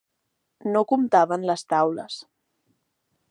No comptaven les taules.